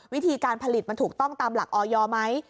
วิธีการผลิตมันถูกต้องตามหลักออยไหม